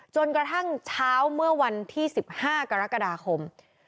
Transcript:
จนกระทั่งเช้าเมื่อวันที่๑๕กรกฎาคม